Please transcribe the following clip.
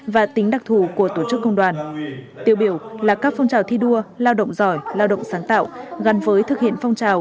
và tính đặc thù của tổ chức công đoàn tiêu biểu là các phong trào thi đua lao động giỏi lao động sáng tạo gắn với thực hiện phong trào